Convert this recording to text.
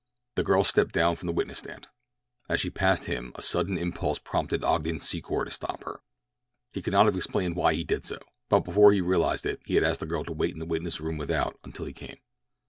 The girl stepped down from the witness stand. As she passed him a sudden impulse prompted Ogden Secor to stop her. He could not have explained why he did so, but before he realized it he had asked the girl to wait in the witness room without until he came.